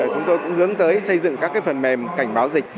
chúng tôi cũng hướng tới xây dựng các phần mềm cảnh báo dịch